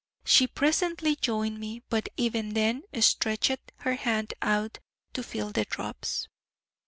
She presently joined me, but even then stretched her hand out to feel the drops.